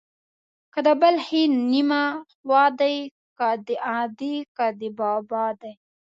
د بل ښې نيمه خوا دي ، که د ادې که د بابا دي.